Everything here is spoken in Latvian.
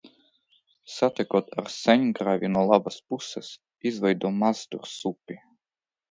Satekot ar Sēņgrāvi no labās puses, izveido Mazdursupi.